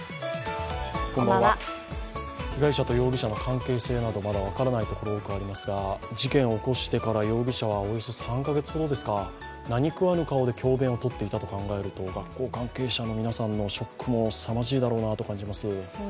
被害者と容疑者の関係性などまだ分からないところが多くありますが、事件を起こしてから容疑者はおよそ３か月ほどですか、何食わぬ顔で教鞭をとっていたと考えると学校関係者の皆さんのショックもすさまじいだろうなと感じます。